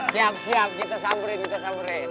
siap siap kita samberin kita samberin